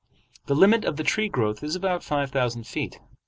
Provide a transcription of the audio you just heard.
The limit of tree growth is about five thousand feet.